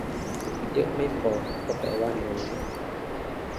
เยอะไม่พอก็แปลว่าน้อย